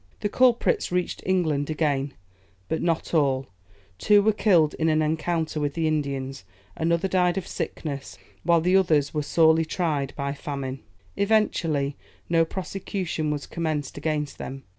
The culprits reached England again, but not all; two were killed in an encounter with the Indians, another died of sickness, while the others were sorely tried by famine. Eventually, no prosecution was commenced against them.